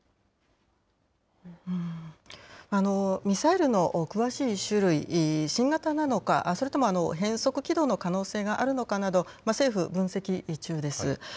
ミサイルの詳しい種類、新型なのか、それとも変則軌道の可能性があるのかなど、政府、分析中です。